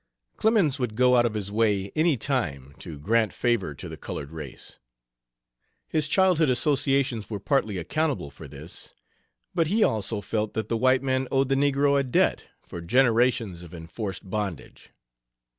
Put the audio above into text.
Clemens would go out of his way any time to grant favor to the colored race. His childhood associations were partly accountable for this, but he also felt that the white man owed the negro a debt for generations of enforced bondage.